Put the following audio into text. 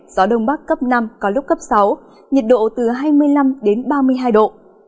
gió đông bắc cấp năm có lúc cấp sáu nhiệt độ từ hai mươi năm đến ba mươi hai độ